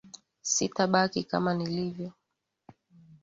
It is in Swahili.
Sitabaki kama nilivyo.